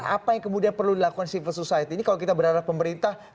apa yang kemudian perlu dilakukan civil society ini kalau kita berada di pemberitaan